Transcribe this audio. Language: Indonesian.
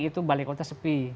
itu balik kota sepi